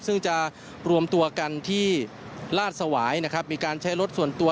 ซึ่งจะรวมตัวกันที่ลาดสวายนะครับมีการใช้รถส่วนตัว